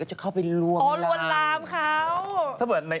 แต่ชอบไม่ลองเหลวนร้ำ